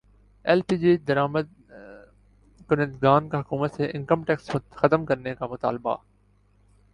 L P G درامد کنندگان کا حکومت سے انکم ٹیکس ختم کرنے کا مطالبہ